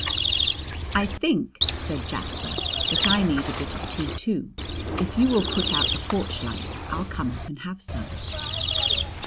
"I think," said Jasper, "that I need a bit of tea too. If you will put out the porch lights I'll come up and have some."